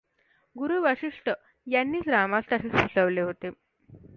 गुरू वसिष्ठ यांनीच रामास तसे सुचविले होते.